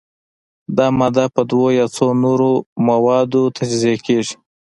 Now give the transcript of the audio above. دا ماده په دوو یا څو نورو موادو تجزیه کیږي.